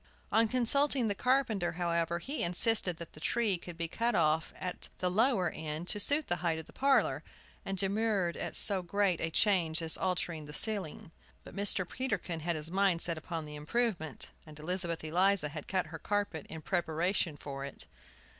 On consulting the carpenter, however, he insisted that the tree could be cut off at the lower end to suit the height of the parlor, and demurred at so great a change as altering the ceiling. But Mr. Peterkin had set his mind upon the improvement, and Elizabeth Eliza had cut her carpet in preparation for it.